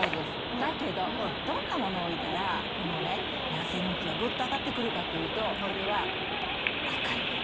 だけど、どんなものを置いたら、この南西の運気がぐっと上がってくるかというと、それは、赤いもの。